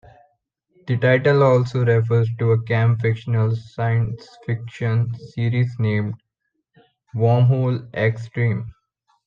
The title also refers to a camp fictional science fiction series named Wormhole X-Treme!